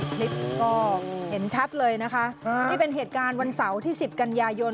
คลิปก็เห็นชัดเลยนะคะนี่เป็นเหตุการณ์วันเสาร์ที่๑๐กันยายน